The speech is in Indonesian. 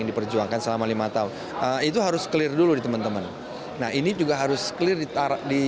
diperjuangkan selama lima tahun itu harus clear dulu di teman teman nah ini juga harus clear ditaruh di